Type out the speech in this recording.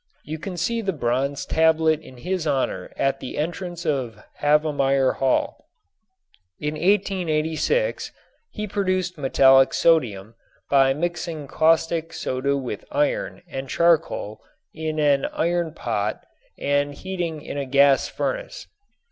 You can see the bronze tablet in his honor at the entrance of Havemeyer Hall. In 1886 he produced metallic sodium by mixing caustic soda with iron and charcoal in an iron pot and heating in a gas furnace.